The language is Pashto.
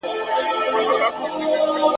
د بې ننګه پښتون مشره له خپل نوم څخه شرمېږم ,